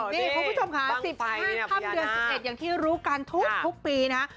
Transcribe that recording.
นี่คุณผู้ชมค่ะ๑๕ค่ำเดือน๑๑อย่างที่รู้กันทุกปีนะ